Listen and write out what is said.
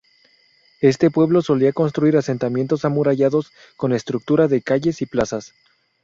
Este pueblo solía construir asentamientos amurallados con estructura de calles y plazas.